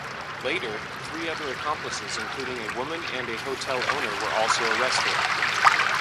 Later, three other accomplices, including a woman and a hotel owner, were also arrested.